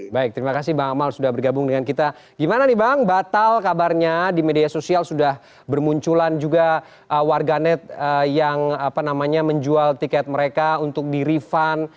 baik terima kasih bang amal sudah bergabung dengan kita gimana nih bang batal kabarnya di media sosial sudah bermunculan juga warganet yang menjual tiket mereka untuk di refund